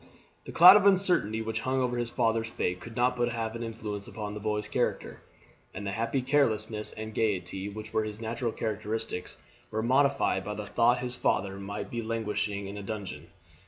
The cloud of uncertainty which hung over his father's fate could not but have an influence upon the boy's character, and the happy carelessness and gaiety which were its natural characteristics were modified by the thought that his father might be languishing in a dungeon.